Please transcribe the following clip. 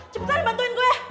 cepetan dibantuin gue